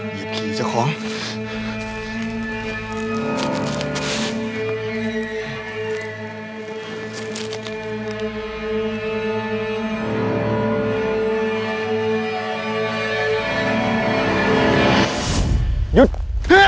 ยิบขี่จะขอบคุณครับ